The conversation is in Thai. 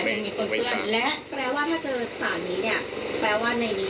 และแปลว่าในนี้คือมีอุจจาระในห้องถูกเลยครับ